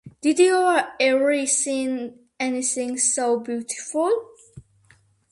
Did you ever see anything so beautiful?